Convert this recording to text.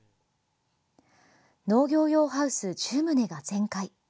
農業用ハウス１０棟が全壊。